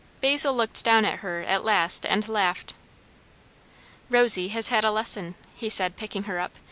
Basil looked down at her at last and laughed. "Rosy has had a lesson," he said, picking her up.